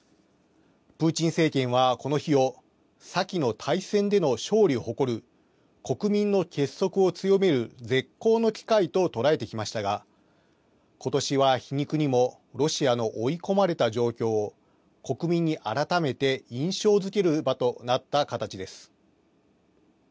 プーチン政権はこの日を、先の大戦での勝利を誇る国民の結束を強める絶好の機会と捉えてきましたが、ことし皮肉にもロシアの追い込まれた状況を、国民に改めて印象づける場となった形です。